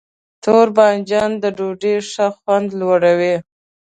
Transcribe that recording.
تور بانجان د ډوډۍ ښه خوند لوړوي.